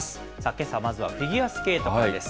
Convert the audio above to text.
けさまずはフィギュアスケートからです。